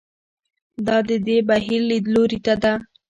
دا د دې بهیر لیدلوري ته ده.